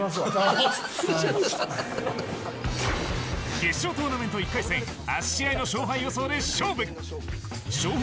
決勝トーナメント１回戦８試合の勝敗予想で勝負。